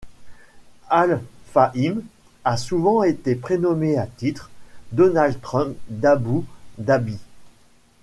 Al-Fahim a souvent été prénommé à titre, Donald Trump d'Abou Dabi.